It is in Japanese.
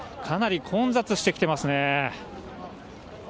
かなり混雑してきていますね。